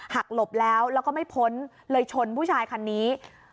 หลบแล้วแล้วก็ไม่พ้นเลยชนผู้ชายคนนี้